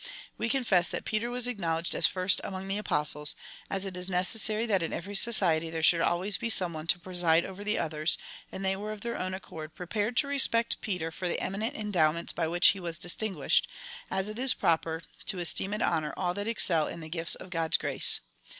We confess that Peter was acknowledged as first among the Apostles, as it is neces sary that in every society there should always be some one to preside over the others, and they were of their own accord prepared to respect Peter for the eminent endowments by which he was distinguished, as it is proper to esteem and honour all that excel in the gifts of God's grace.